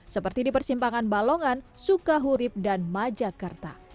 seperti di persimpangan balongan sukahurib dan majakerta